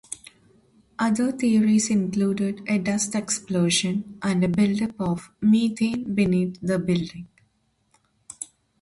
Other theories included a dust explosion and a build-up of methane beneath the building.